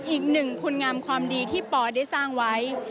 อีกหนึ่งคุณงามความดีที่ปอได้สร้างไว้